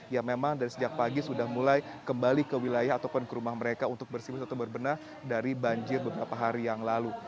yang memang dari sejak pagi sudah mulai kembali ke wilayah ataupun ke rumah mereka untuk bersih bersih atau berbenah dari banjir beberapa hari yang lalu